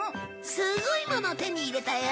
すごい物を手に入れたよ！